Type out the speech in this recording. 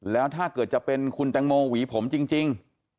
แล้วถ้าเกิดจะเป็นคุณแตงโมหวีผมจริง